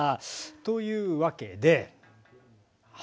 というわけではい。